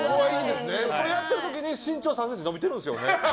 これやってる時に身長３ｃｍ伸びてるんですよね？